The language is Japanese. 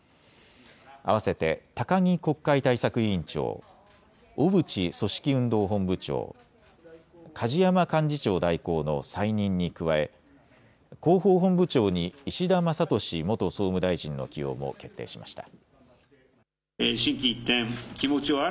合わせて高木国会対策委員長、小渕組織運動本部長、梶山幹事長代行の再任に加え、広報本部長に石田真敏元総務大臣の起用も決定しました。